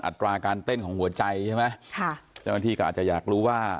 ตราการเต้นของหัวใจใช่ไหมค่ะเจ้าหน้าที่ก็อาจจะอยากรู้ว่า